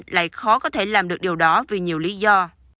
lại khó có thể làm được điều đó vì nhiều lý do